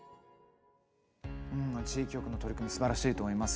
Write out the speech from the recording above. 地域局の取り組みすばらしいと思います。